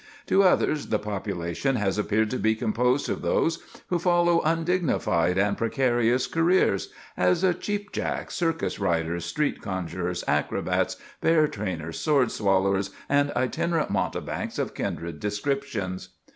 To others the population has appeared to be composed of those who follow undignified and precarious careers, as cheap jacks, circus riders, street conjurers, acrobats, bear trainers, sword swallowers, and itinerant mountebanks of kindred descriptions.